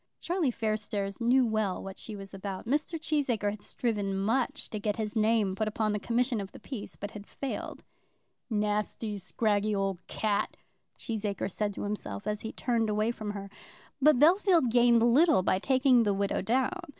Charlie Fairstairs knew well what she was about. Mr. Cheesacre had striven much to get his name put upon the commission of the peace, but had failed. "Nasty, scraggy old cat," Cheesacre said to himself, as he turned away from her. But Bellfield gained little by taking the widow down.